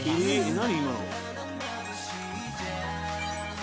何？